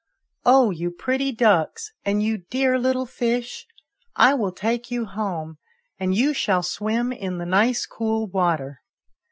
" Oh, you pretty ducks, and you dear little fish, I will take you home, and you shall swim in the nice cool water."